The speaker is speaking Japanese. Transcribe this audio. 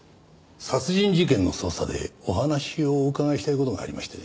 殺人事件の捜査でお話をお伺いしたい事がありましてね。